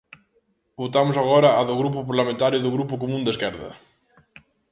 Votamos agora a do Grupo Parlamentario do Grupo Común da Esquerda.